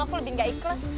aku lebih gak ikhlas